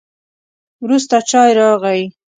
وروسته چای راغی.